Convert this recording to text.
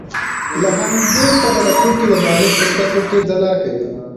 له همدې کبله توکي د مالک په سترګو کې ځلا کوي